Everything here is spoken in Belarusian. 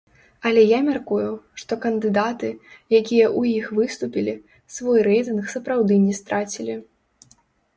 Але я мяркую, што кандыдаты, якія ў іх выступілі, свой рэйтынг сапраўды не страцілі.